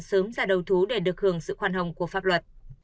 sớm ra đầu thú để được hưởng sự khoan hồng của pháp luật